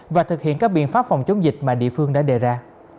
và thực hiện các biện pháp phòng chống dịch mà địa phương đã đề ra